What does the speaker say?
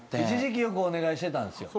一時期よくお願いしてたんです。